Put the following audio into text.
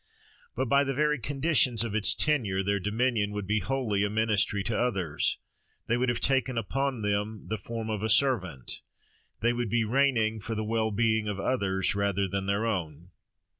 But, by the very conditions of its tenure, their dominion would be wholly a ministry to others: they would have taken upon them "the form of a servant": they would be reigning for the well being of others rather than their own.